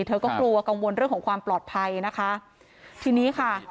เธอก็กลัวกังวลเรื่องของความปลอดภัยนะคะทีนี้ค่ะ